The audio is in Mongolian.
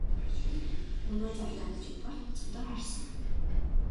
Өнөө залуу эмчийг бол зөндөө харсан.